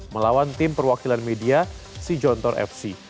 melawan tim perwakilan media si jontor fc